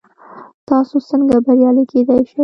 تاسو څنګه بریالي کیدی شئ؟